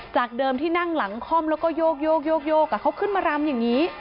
จากเดิมที่นั่งหลังค่อมแล้วก็โยกเขาขึ้นมารำอย่างนี้